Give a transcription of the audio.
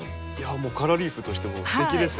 カラーリーフとしてもすてきですね。